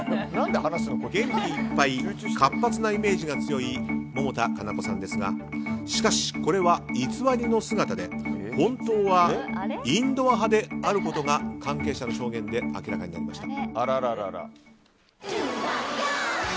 元気いっぱい活発なイメージが強い百田夏菜子さんですがしかし、これは偽りの姿で本当はインドア派であることが関係者の証言で明らかになりました。